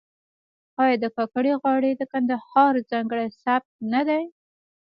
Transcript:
آیا د کاکړۍ غاړې د کندهار ځانګړی سبک نه دی؟